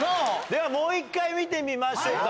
ではもう１回見てみましょうか。